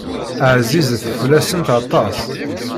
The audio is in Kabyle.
Ɛzizet fell-asent aṭas.